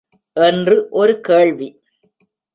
என்று ஒரு கேள்வி.